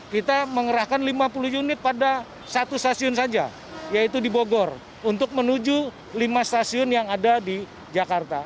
kita mengerahkan lima puluh unit pada satu stasiun saja yaitu di bogor untuk menuju lima stasiun yang ada di jakarta